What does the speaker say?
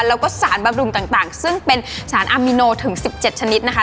แล้วก็สารบำรุงต่างซึ่งเป็นสารอามิโนถึง๑๗ชนิดนะคะ